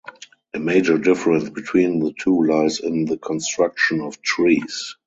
A major difference between the two lies in the construction of trees.